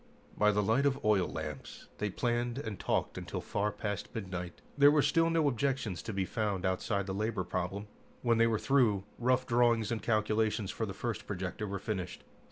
By the light of oil lamps they planned and talked until far past midnight. There were still no objections to be found outside the labor problem. When they were through, rough drawings and calculations for the first projector were finished.